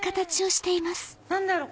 何だろう？